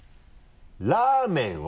ラーメンを。